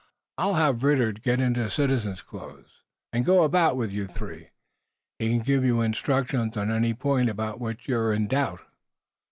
I'll have Ridder get into citizen's clothes and go about with you three. He can give you instructions on any point about which you're in doubt."